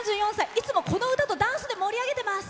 いつも、この歌とダンスで盛り上げてます。